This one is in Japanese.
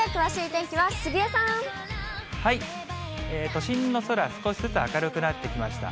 都心の空、少しずつ明るくなってきました。